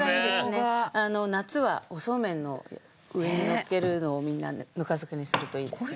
夏はおそうめんの上にのっけるのをみんなぬか漬けにするといいですよね。